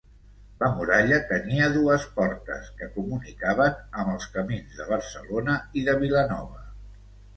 La muralla tenia dues portes, que comunicaven amb els camins de Barcelona i de Vilanova.